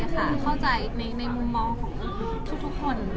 เข้าใจในมุมมองของทุกคน